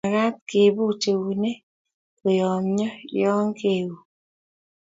mekat kebuch eunek koyomyo ya kakeun